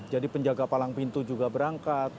jadi penjaga palang pintu juga berangkat